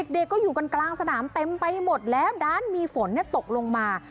เด็กก็อยู่กันกลางสนามเต็มไปหมดแล้วด้านมีฝนตกลงมา